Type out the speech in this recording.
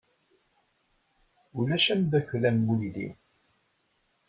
Ulac ameddakel am uydi.